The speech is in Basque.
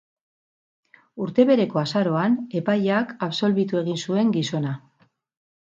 Urte bereko azaroan, epaileak absolbitu egin zuen gizona.